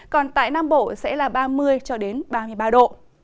còn tại nam bộ sẽ là ba mươi ba mươi ba độ